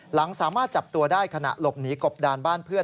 หลังสามารถจับตัวได้ขณะหลบหนีกบดานบ้านเพื่อน